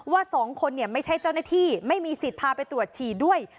สองคนไม่ใช่เจ้าหน้าที่ไม่มีสิทธิ์พาไปตรวจฉี่ด้วย